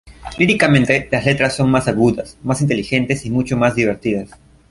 Líricamente, las letras son más agudas, más inteligentes y mucho más divertidas.